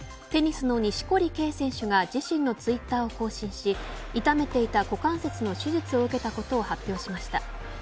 テニスの錦織圭選手が自身のツイッターを更新し痛めていた股関節の手術を受けたことを発表しました。